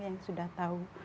yang sudah tahu